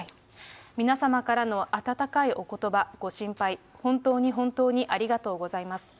皆様からの温かいおことば、ご心配、本当に本当にありがとうございます。